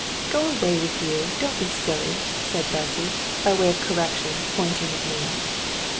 "Go away with you don't be silly!" said Bessy, by way of correction, pointing at me.